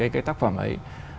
cái tác phẩm ấy